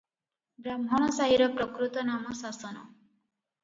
ବ୍ରାହ୍ମଣସାହିର ପ୍ରକୃତ ନାମ ଶାସନ ।